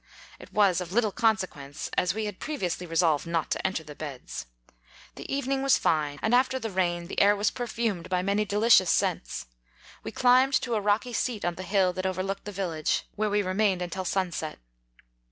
It was of little consequence, as we had previously resolved not to enter the beds. The evening was fine, D 34 and after the rain the air was perfumed by many delicious scents. We climbed to a rocky seat on the hill that over looked the village, where we remained until sunset.